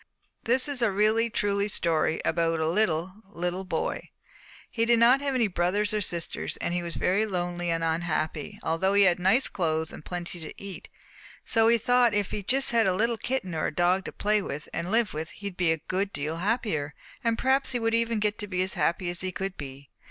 "This is a really truly story about a little, little boy. He did not have any brothers or sisters, and he was very lonely and unhappy although he had nice clothes and plenty to eat. So he thought if he just had a little kitten or a dog to play with and live with he would be a good deal happier, and perhaps he would even get to be as happy as he could be.